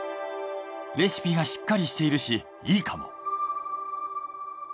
「レシピがしっかりしているしいいかも」。